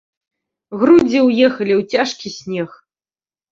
Грудзі ўехалі ў цяжкі снег.